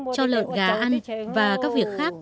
cho lợn gà ăn và các việc khác